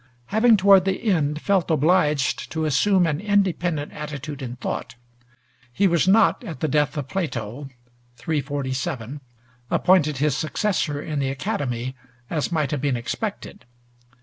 Having toward the end felt obliged to assume an independent attitude in thought, he was not at the death of Plato (347) appointed his successor in the Academy, as might have been expected.